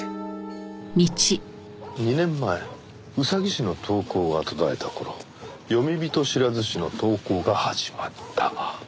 ２年前ウサギ氏の投稿が途絶えた頃詠み人知らず氏の投稿が始まった。